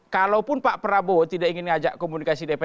kalaupun pak prabowo tidak ingin diajak komunikasi dpr